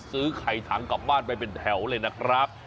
ซื้อไข่ถังกลับบ้านไปเป็นแถวเลยนะครับ